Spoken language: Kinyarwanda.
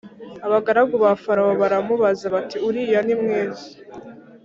Abagaragu ba Farawo baramubaza bati Uriya nimwiza